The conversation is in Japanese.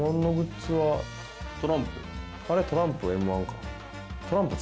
あれトランプＭ−１か。